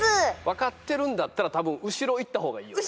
分かってるんだったらたぶん後ろいった方がいいよね？